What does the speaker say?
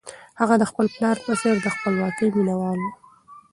هغه د خپل پلار په څېر د خپلواکۍ مینه وال و.